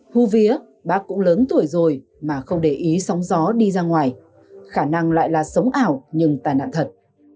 hú vía bác cũng lớn tuổi rồi mà không để ý sóng gió đi ra ngoài khả năng lại là sống ảo nhưng tàn nạn thật